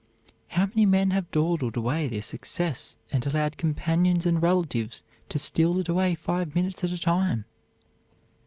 How many men have dawdled away their success and allowed companions and relatives to steal it away five minutes at a time!